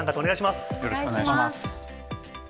よろしくお願いします。